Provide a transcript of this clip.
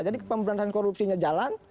jadi pembangunan korupsinya jalan